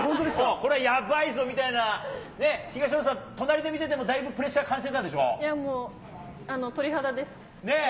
これはやばいぞみたいな、ねっ、東野さん、隣で見てても、だいぶプレッシャー感じてたんでいや、もう鳥肌です。